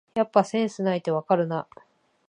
やっぱセンスないってわかるな